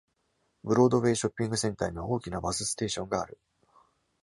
ブロードウェイ・ショッピングセンターには大きなバスステーションがある。